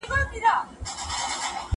ايا ته درسونه لوستل کوې،